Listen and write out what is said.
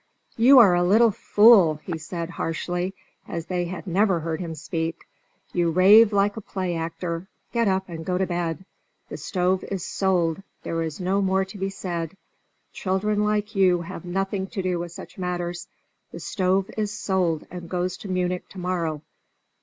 "You are a little fool," he said, harshly, as they had never heard him speak. "You rave like a play actor. Get up and go to bed. The stove is sold. There is no more to be said. Children like you have nothing to do with such matters. The stove is sold, and goes to Munich to morrow.